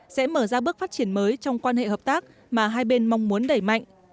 sẽ mở ra bước phát triển mới trong quan hệ hợp tác mà hai bên mong muốn đẩy mạnh